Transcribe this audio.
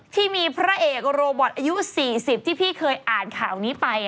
ที่มีพระเอกโรบอตอายุ๔๐ที่พี่เคยอ่านข่าวนี้ไป